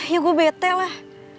ya gue bete lah